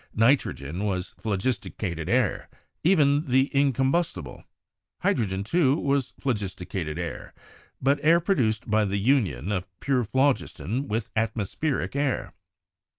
Nitrogen was 'phlogisticated air,' even tho incombustible; hydrogen, too, was phlogisticated air, but air produced by the union of pure phlogiston with atmospheric air.